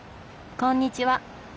こんにちは。